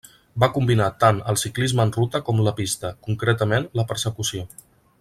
Va combinar tant el ciclisme en ruta com la pista, concretament la persecució.